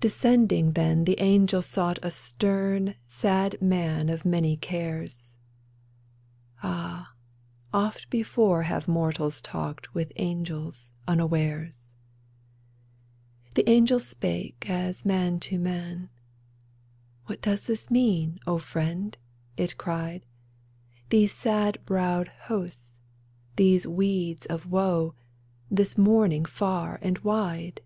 Descending then the angel sought A stern, sad man of many cares — Ah, oft before have mortals talked With angels, unawares ! The angel spake, as man to man —" What does it mean, O friend ?" it cried, ''These sad browed hosts, these weeds of woe, This mourning far and wide